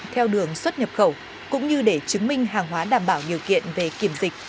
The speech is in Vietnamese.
theo đường xuất nhập khẩu cũng như để chứng minh hàng hóa đảm bảo nhiều kiện về kiểm dịch